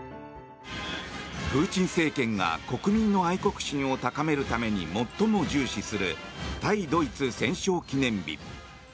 プーチン政権が国民の愛国心を高めるために最も重視する対ドイツ戦勝記念日。